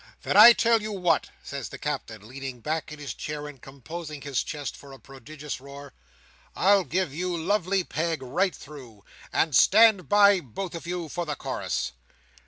"Then I tell you what," says the Captain, leaning back in his chair, and composing his chest for a prodigious roar. "I'll give you Lovely Peg right through; and stand by, both on you, for the chorus!"